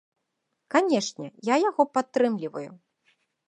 Канечне, я яго падтрымліваю.